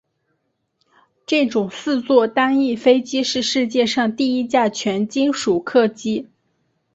这种四座单翼飞机是世界上第一架全金属客机。